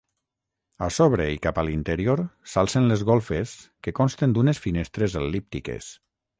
A sobre i cap a l'interior s'alcen les golfes que consten d'unes finestres el·líptiques.